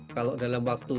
kalau dalam waktu